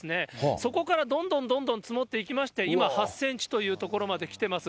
そこからどんどんどんどん積もっていきまして、今、８センチというところまできてます。